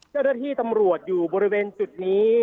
เจ้าหน้าที่ตำรวจอยู่บริเวณจุดนี้